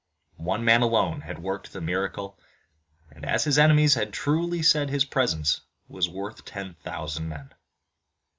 One man alone had worked the miracle and as his enemies had truly said his presence was worth ten thousand men.